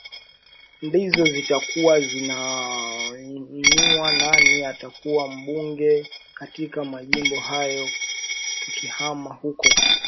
ndizo zitakuwa zinaanua nani atakuwa mbunge katika majimbo hayo tukihama huko